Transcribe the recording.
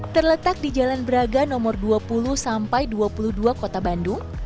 terletak di jalan braga nomor dua puluh sampai dua puluh dua kota bandung